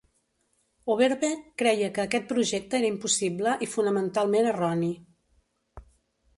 Overbeck creia que aquest projecte era impossible i fonamentalment erroni.